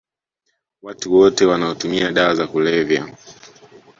Watu wote wanaotumia dawa za kulevya